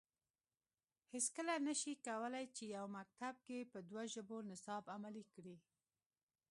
هیڅکله نه شي کولای چې یو مکتب کې په دوه ژبو نصاب عملي کړي